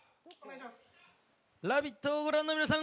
「ラヴィット！」をご覧の皆さん